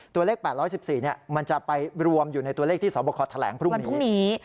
ตัวเลข๘๑๔มันจะไปรวมอยู่ในตัวเลขที่สอบคอแถลงพรุ่งนี้